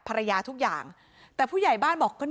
ภรรยาทุกอย่างแต่ผู้ใหญ่บ้านบอกก็